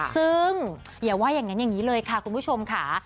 ซึ่งอย่าว่าอย่างนั้นอย่างนี้เลยค่ะคุณผู้ชมค่ะ